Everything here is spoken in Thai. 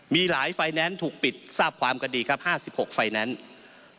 มีหลายไฟแนนซ์ถูกปิดทราบความกันดีครับ๕๖ไฟแนนซ์